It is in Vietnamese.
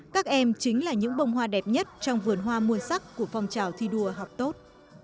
các em chính là những bông hoa đẹp nhất trong vườn hoa muôn sắc của phong trào thi đua học tốt